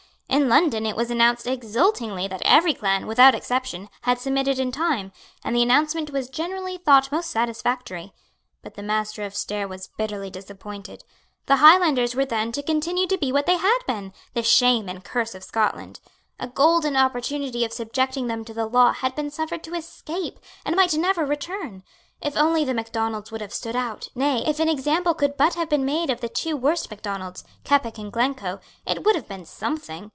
In London it was announced exultingly that every clan, without exception, had submitted in time; and the announcement was generally thought most satisfactory. But the Master of Stair was bitterly disappointed. The Highlands were then to continue to be what they had been, the shame and curse of Scotland. A golden opportunity of subjecting them to the law had been suffered to escape, and might never return. If only the Macdonalds would have stood out, nay, if an example could but have been made of the two worst Macdonalds, Keppoch and Glencoe, it would have been something.